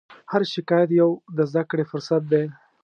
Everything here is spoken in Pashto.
هر شکایت یو د زدهکړې فرصت دی.